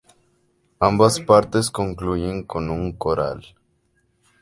Ambas partes concluyen con un coral.